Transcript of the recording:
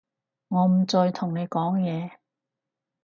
我唔再同你講嘢